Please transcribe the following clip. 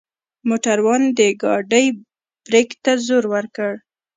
موټروان د ګاډۍ برک ته زور وکړ.